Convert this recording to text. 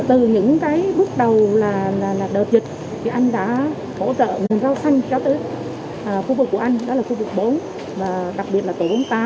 từ những cái bước đầu là đợt dịch thì anh đã hỗ trợ nguồn rau xanh cho tới khu vực của anh đó là khu vực bốn và đặc biệt là tổ bốn mươi tám